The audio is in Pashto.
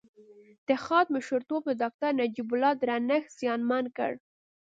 د خاد مشرتوب د داکتر نجيب الله درنښت زیانمن کړ